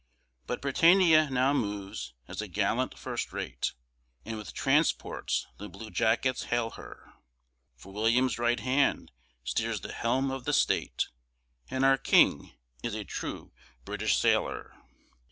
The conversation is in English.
But Britannia now moves as a gallant first rate And with transports the Blue Jackets hail her; For William's right hand steers the helm of the State, And our King is a true British Sailor.